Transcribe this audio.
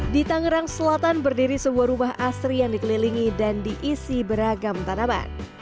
di tangerang selatan berdiri sebuah rumah asri yang dikelilingi dan diisi beragam tanaman